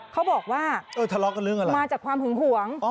เขาบอกว่ามาจากความหึงห่วง